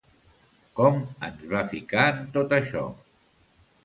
Com ens va ficar en tot això?